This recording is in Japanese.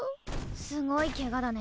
すごいケガだね。